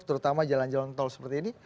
terutama jalan jalan tol seperti ini